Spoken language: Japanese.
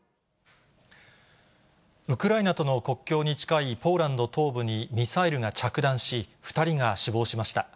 ウクライナとの国境に近いポーランド東部にミサイルが着弾し、２人が死亡しました。